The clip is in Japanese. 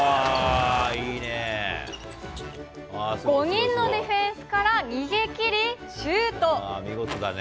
５人のディフェンスから逃げきり、シュート。